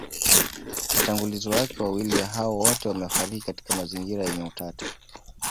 Watangulizi wake wawili hao wote wamefariki katika mazingira yenye utata